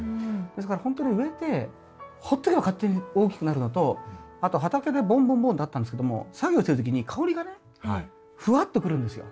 ですからほんとに植えてほっとけば勝手に大きくなるのとあと畑でぼんぼんぼんってあったんですけども作業してる時に香りがねふわっとくるんですよ。